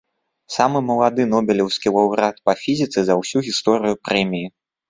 Самы малады нобелеўскі лаўрэат па фізіцы за ўсю гісторыю прэміі.